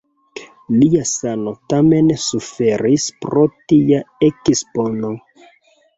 Lia sano tamen suferis pro tia ekspono.